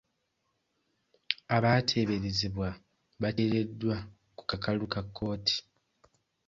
Abateeberezebwa bateereddwa ku kakalu ka kkooti.